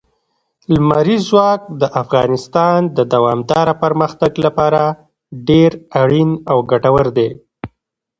لمریز ځواک د افغانستان د دوامداره پرمختګ لپاره ډېر اړین او ګټور دی.